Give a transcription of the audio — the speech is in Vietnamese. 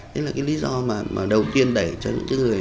đấy là cái lý do mà đầu tiên đẩy cho những cái người